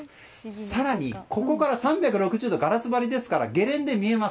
更に、ここから３６０度ガラス張りですからゲレンデが見えます。